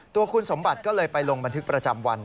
ตัวคุณสมบัติก็เลยไปลงบันทึกประจำวัน